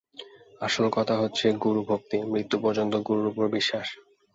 আসল কথা হচ্ছে গুরুভক্তি, মৃত্যু পর্যন্ত গুরুর ওপর বিশ্বাস।